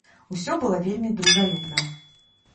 Усё было вельмі дружалюбна.